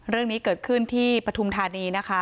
เรื่องนี้เกิดขึ้นที่ปฐุมธานีนะคะ